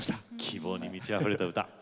希望に満ちあふれた歌。